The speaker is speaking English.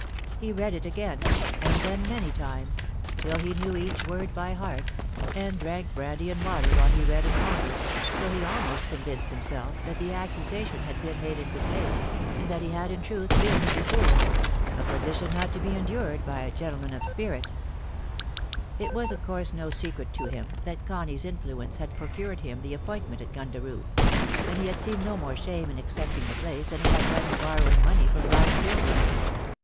He read it again, and then many times, till he knew each word by heart, and drank brandy and water while he read and ik>ndered, till he almost convinced himself that the accusation had been made in good faith, and that he had in truth been befooled — a position not to be endured by a gentleman of spirit It was of course no secret to him that Connie^s influence had procured him the appointment at Gundaroo ; and he had seen no more shame in accepting the place than he had done in borrowing money from Brian Fielding.